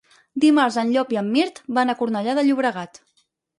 Dimarts en Llop i en Mirt van a Cornellà de Llobregat.